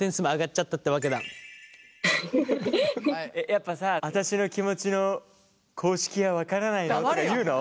やっぱさ「私の気持ちの公式はわからないの？」とか言うの？